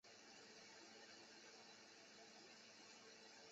王乃拜辞天地祖宗。